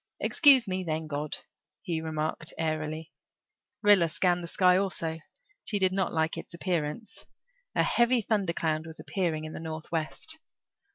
"Excuse me, then, God," he remarked airily. Rilla scanned the sky also; she did not like its appearance; a heavy thundercloud was appearing in the northwest.